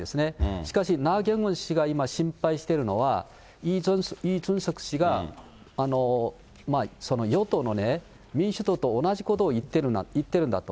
しかしナ・ギョンウン氏が今、心配しているのは、イ・ジュンソク氏が与党の民主党と同じことを言ってるんだと。